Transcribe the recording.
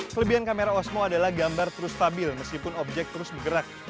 kelebihan kamera osmo adalah gambar terus stabil meskipun objek terus bergerak